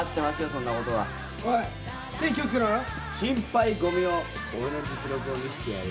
そんなことはオイ手気をつけろよ心配ご無用俺の実力を見せてやるよ